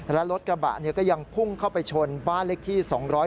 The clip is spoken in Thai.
และรถกระบะก็ยังพุ่งเข้าไปชนบ้านเลขที่๒๔